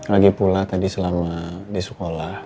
lagipula tadi selama di sekolah